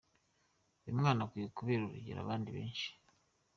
Uyu mwana akwiye kubera urugero abandi benshi.